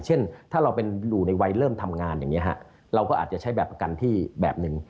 เช่นถ้าเราเป็นอยู่ในวัยเริ่มทำงานอย่างนี้ฮะเราก็อาจจะใช้แบบประกันที่แบบหนึ่ง